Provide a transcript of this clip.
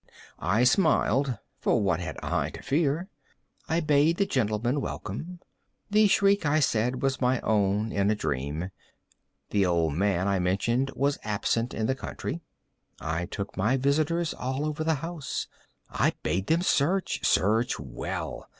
I smiled,—for what had I to fear? I bade the gentlemen welcome. The shriek, I said, was my own in a dream. The old man, I mentioned, was absent in the country. I took my visitors all over the house. I bade them search—search well.